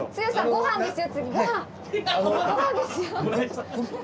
ごはんですよ！